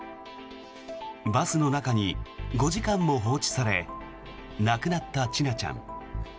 バスの中に５時間も放置され亡くなった千奈ちゃん。